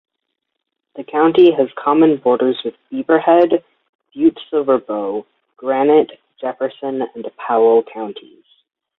The county has common borders with Beaverhead, Butte-Silver Bow, Granite, Jefferson and Powell counties.